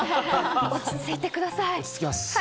落ち着いてください。